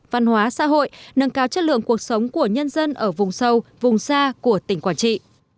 văn hóa xã hội nâng cao chất lượng cuộc sống của nhân dân ở vùng sâu vùng xa của tỉnh quảng trị